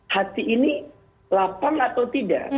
hati ini lapang atau tidak